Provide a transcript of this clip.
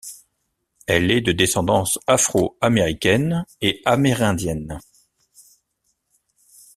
Elle est de descendance afro-américaine et amérindienne.